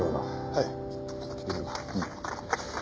はい。